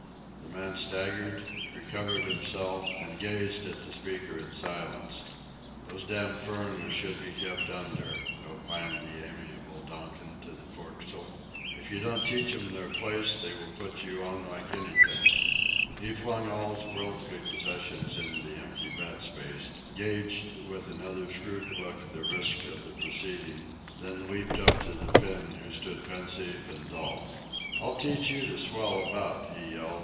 The man staggered, recovered himself, and gazed at the speaker in silence. "Those damned furriners should be kept under," opined the amiable Donkin to the forecastle. "If you don't teach 'em their place they put on you like anythink." He flung all his worldly possessions into the empty bed place, gauged with another shrewd look the risks of the proceeding, then leaped up to the Finn, who stood pensive and dull. "I'll teach you to swell around," he yelled.